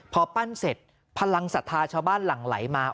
พอปั้นเสร็จพลังศรัทธาชาวบ้านหลั่งไหลมา